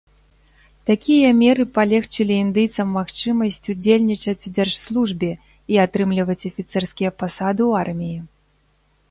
Такія меры палегчылі індыйцам магчымасць удзельнічаць у дзяржслужбе, і атрымліваць афіцэрскія пасады ў арміі.